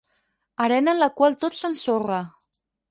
Arena en la qual tot s'ensorra.